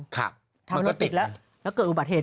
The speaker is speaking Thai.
ครับมันก็ติดแล้วแล้วเกิดอุบัติเหตุแล้วเกิดอุบัติเหตุ